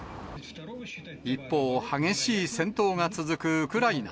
一方、激しい戦闘が続くウクライナ。